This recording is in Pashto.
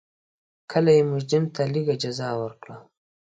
کله یې مجرم ته لږه جزا ورکړه.